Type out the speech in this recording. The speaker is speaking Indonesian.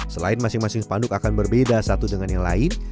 selain masing masing panduk akan berbeda satu dengan yang lain